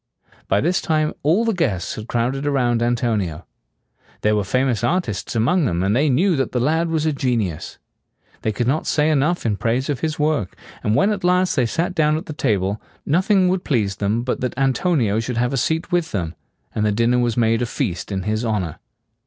By this time all the guests had crowded around Antonio. There were famous artists among them, and they knew that the lad was a genius. They could not say enough in praise of his work; and when at last they sat down at the table, nothing would please them but that Antonio should have a seat with them; and the dinner was made a feast in his honor.